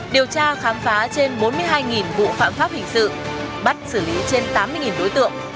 điều tra khám phá trên bốn mươi hai vụ phạm pháp hình sự bắt xử lý trên tám mươi đối tượng